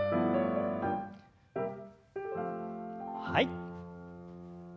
はい。